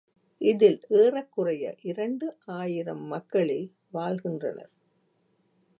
இதில் ஏறக்குறைய இரண்டு ஆயிரம் மக்களே வாழ்கின்றனர்.